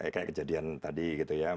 kayak kejadian tadi gitu ya